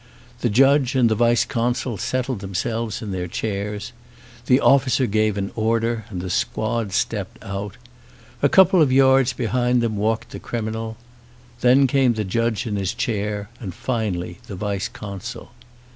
The judge and the vice consul settled themselves in their chairs. The officer gave an order and the squad stepped out. A couple of yards behind them walked the criminal. Then came the judge in his chair and finally the vice consul.